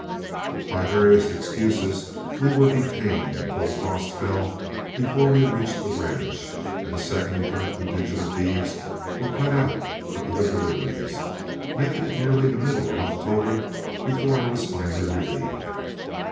By various excuses we were detained until frost fell before we reached the ranch, and a second and a third contingent of beeves were cut out for other deliveries, making it nearly the middle of October before I was finally relieved.